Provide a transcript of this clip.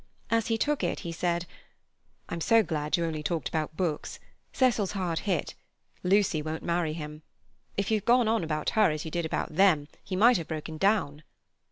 As he took it, he said: "I'm so glad you only talked about books. Cecil's hard hit. Lucy won't marry him. If you'd gone on about her, as you did about them, he might have broken down."